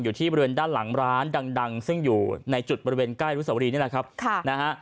อยู่ที่บริเวณด้านหลังร้านดังซึ่งอยู่ในจุดบริเวณใกล้รุสวรีนี่แหละครับค่ะนะฮะ